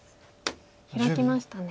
ヒラきましたね。